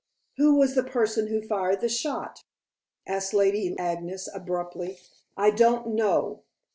"Who was the person who fired the shot?" asked Lady Agnes abruptly. "I don't know."